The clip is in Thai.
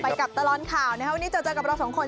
ไปกับตลอดข่าวนะครับวันนี้เจอกับน้องสองคน